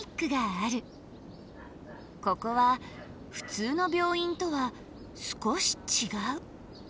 ここはふつうの病院とは少し違う。